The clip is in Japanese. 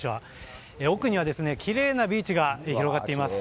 奥にはきれいなビーチが広がっています。